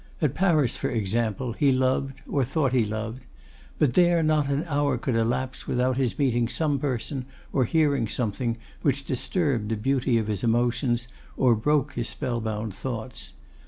At Paris, for example, he loved, or thought he loved. But there not an hour could elapse without his meeting some person, or hearing something, which disturbed the beauty of his emotions, or broke his spell bound thoughts.